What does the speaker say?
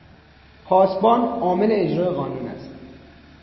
پاسبان، عامل اجرای قانون است.